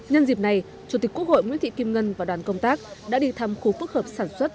nhân dịp này chủ tịch quốc hội nguyễn thị kim ngân và đoàn công tác đã đi thăm khu phức hợp sản xuất